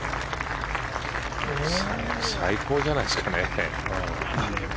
最高じゃないですかね。